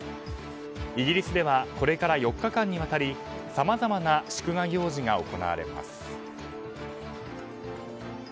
イギリスではこれから４日間にわたりさまざまな祝賀行事が行われます。